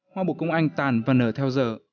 hoa bồ công anh tàn và nở theo giờ